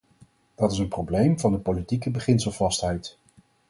Dat is een probleem van politieke beginselvastheid.